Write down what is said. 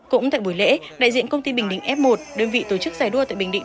cũng tại buổi lễ đại diện công ty bình định f một đơn vị tổ chức giải đua tại bình định